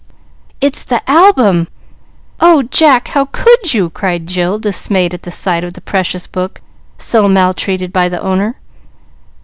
"It's the album! O Jack, how could you?" cried Jill, dismayed at sight of the precious book so maltreated by the owner.